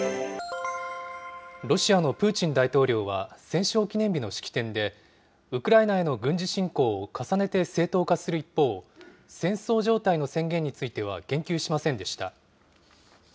ロシアのプーチン大統領は、戦勝記念日の式典で、ウクライナへの軍事侵攻を重ねて正当化する一方、戦争状態の宣言については言及しませんでした。